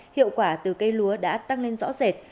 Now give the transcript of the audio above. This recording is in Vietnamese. hiệu quả từ cây lúa đã tăng lên rõ rệt